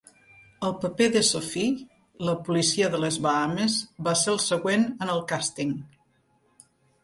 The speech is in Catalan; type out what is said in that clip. El paper de Sophie, la policia de les Bahames, va ser el següent en el càsting.